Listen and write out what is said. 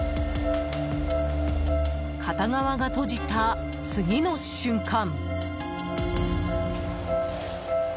片側が閉じた次の瞬間。